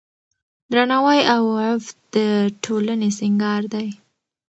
درناوی او عفت د ټولنې سینګار دی.